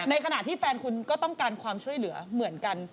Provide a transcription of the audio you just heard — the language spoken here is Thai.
ขณะที่แฟนคุณก็ต้องการความช่วยเหลือเหมือนกัน